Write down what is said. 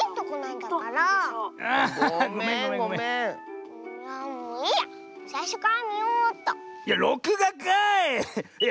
いやろくがかい！